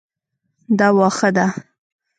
دا واښه ده